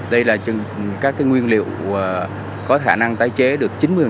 đây là các nguyên liệu có khả năng tái chế được chín mươi